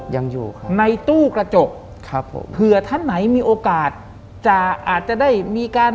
ยังอยู่ครับในตู้กระจกครับผมเผื่อท่านไหนมีโอกาสจะอาจจะได้มีการ